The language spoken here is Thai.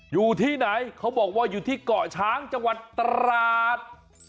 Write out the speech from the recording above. อยู่ที่ไหนเขาบอกว่าอยู่ที่เกาะช้างจังหวัดตราด